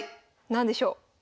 何でしょう？